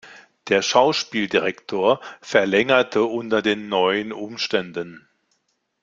Der Schauspieldirektor verlängerte unter den neuen Umständen.